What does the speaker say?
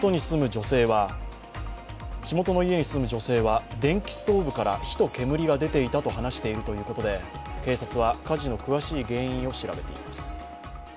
火元の家に住む女性は電気ストーブから火と煙が出ていたと話しているということで警察は火事の詳しい原因を調べています。